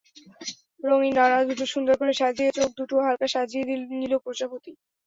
রঙিন ডানা দুটো সুন্দর করে সাজিয়ে চোখ দুটোও হালকা সাজিয়ে নিল প্রজাপতি।